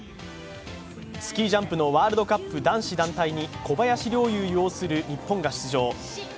スキージャンプのワールドカップ男子団体に小林陵侑擁する日本が出場。